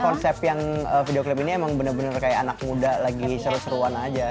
karena konsep yang video klip ini emang bener bener kayak anak muda lagi seru seruan aja